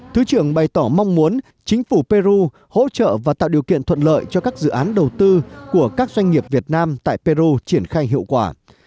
thứ trưởng bày tỏ mong muốn chính phủ peru hỗ trợ và tạo điều kiện thuận lợi cho các dự án đầu tư của các doanh nghiệp việt nam tại peru triển khai hiệu quả